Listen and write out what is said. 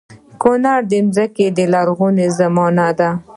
کونړ ځمکه د لرغونو زمانو ده